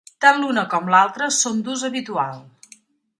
Tant l'una com l'altra són d'ús habitual.